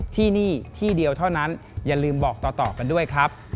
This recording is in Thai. ที่นี่ที่เดียวเท่านั้นอย่าลืมบอกต่อกันด้วยครับ